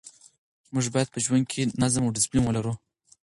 موږ باید په ژوند کې نظم او ډسپلین ولرو.